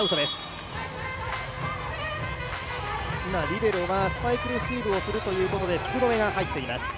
リベロはスパイクレシーブをするということで福留が入っています。